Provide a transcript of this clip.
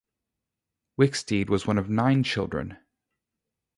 Wicksteed was one of nine children.